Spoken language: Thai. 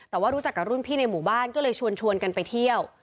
แต่ว่ารู้จักกับรุ่นพี่ในหมู่บ้านก็เลยชวนกันไปเที่ยว